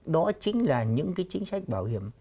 đó chính là những cái chính sách bảo hiểm